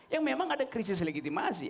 yang memang ada krisis legitimasi